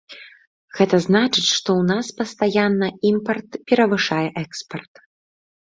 Гэта значыць, што ў нас пастаянна імпарт перавышае экспарт.